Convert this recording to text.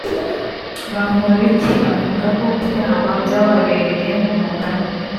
Bamporiki avuga ko kuryama byababereye nk’umugani